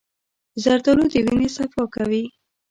زردالو د وینې صفا کوي.